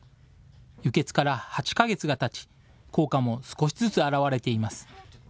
輸血から８か月がたち、効果も少しずつ表れています。